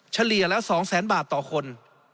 เฉลี่ยละ๒๐๐๐๐บาทต่อคน